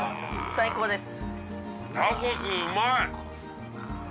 最高です